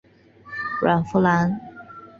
阮福澜。